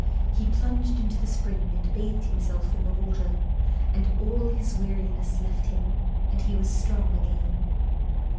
He plunged into the spring and bathed himself in the water, and all his weariness left him and he was strong again.